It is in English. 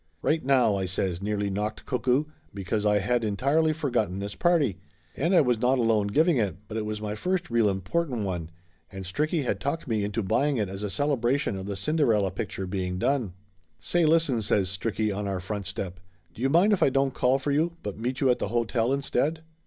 "Right now !" I says, nearly knocked cuckoo, because I had entirely forgotten this party! And I was not alone giving it, but it was my first real important one, and Stricky had talked me into buying it as a celebra tion of the Cinderella picture being done. "Say listen !" says Stricky, on our front step. "Do you mind if I don't call for you, but meet you at the hotel instead?"